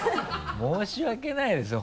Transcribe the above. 申し訳ないですよ